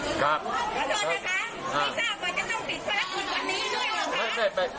ขอโทษนะคะที่สร้างวันจะต้องติดภารกฎวันนี้ด้วยหรือคะ